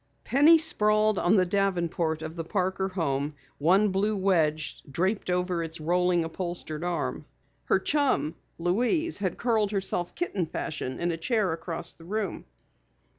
Penny sprawled on the davenport of the Parker home, one blue wedge draped over its rolling upholstered arm. Her chum, Louise, had curled herself kitten fashion in a chair across the room.